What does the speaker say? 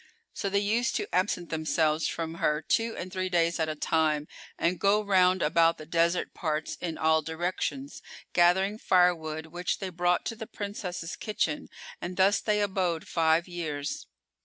So they used to absent themselves from her two and three days at a time and go round about the desert parts in all directions, gathering firewood, which they brought to the Princess's kitchen; and thus they abode five[FN#405] years.